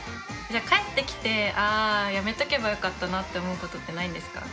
帰ってきてああやめとけばよかったなって思うことってないんですか？